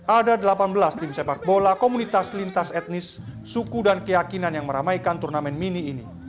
ada delapan belas tim sepak bola komunitas lintas etnis suku dan keyakinan yang meramaikan turnamen mini ini